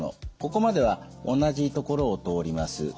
ここまでは同じところを通ります。